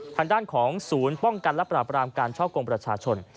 ทางด้านของศูนย์ป้องกันและปราบรามการช่อกงประชาชน